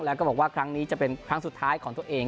แล้วก็บอกว่าครั้งนี้จะเป็นครั้งสุดท้ายของตัวเอง